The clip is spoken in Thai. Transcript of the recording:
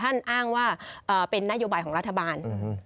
ท่านอ้างว่าเป็นนโยบัติของรัฐบาล